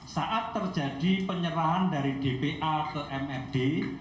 saat terjadi penyerahan dari dpa ke mrd